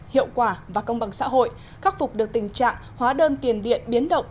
hiệu quả và công bằng xã hội khắc phục được tình trạng hóa đơn tiền điện biến động